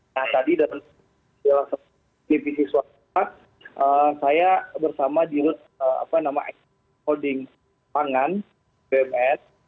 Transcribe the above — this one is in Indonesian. nah tadi dalam depisi suatu saat saya bersama di holding pangan bms